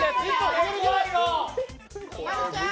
はるちゃん！